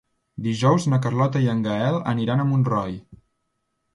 Dijous na Carlota i en Gaël aniran a Montroi.